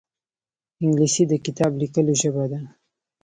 انګلیسي د کتاب لیکلو ژبه ده